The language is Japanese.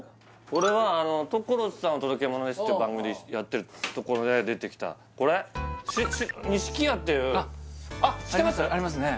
俺は「所さんお届けモノです！」っていう番組でやってるところで出てきたこれニシキヤっていうあっありますね